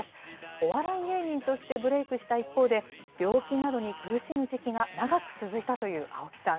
お笑い芸人としてブレークした一方で、病気などに苦しむ時期が長く続いたという青木さん。